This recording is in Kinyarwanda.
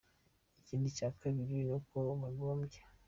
Ikindi cya kabiri ni uko bagombye.